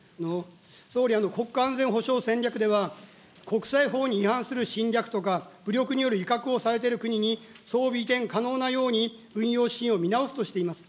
総理、国家安全保障戦略では、国際法に違反する侵略とか、武力による威嚇をされている国に、装備移転可能なように、運用使用を見直すとしています。